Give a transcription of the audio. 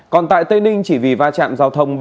còn tại tây ninh chỉ vì va chạm giao thông